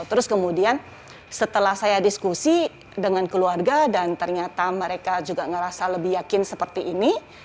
terus kemudian setelah saya diskusi dengan keluarga dan ternyata mereka juga ngerasa lebih yakin seperti ini